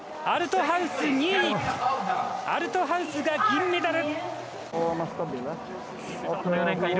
アルトハウスが銀メダル。